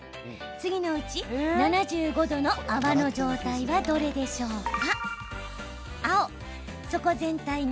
次のうち、７５度の泡の状態はどれでしょうか？